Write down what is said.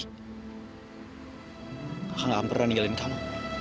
kakak nggak akan pernah ninggalin kamu